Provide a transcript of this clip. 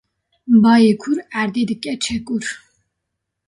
Bayê kûr erdê dike çekûr